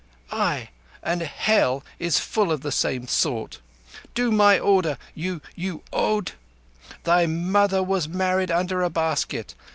"Ay; and Hell is full of the same sort. Do my order, you—you Od! Thy mother was married under a basket!